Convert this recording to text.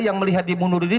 yang melihat dia bunuh diri